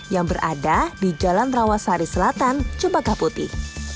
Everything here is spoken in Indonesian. yang berada di jalan rawasari selatan cempaka putih